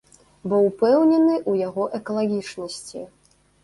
Бо ўпэўнены ў яго экалагічнасці.